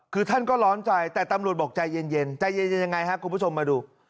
คือท่านก็ร้อนใจแต่ตำรวจบอกใจเย็นใจเย็นยังไงครับคุณผู้ชมมาดู